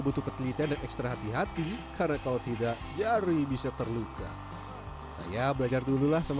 butuh ketelitian dan ekstra hati hati karena kalau tidak nyari bisa terluka saya belajar dululah sama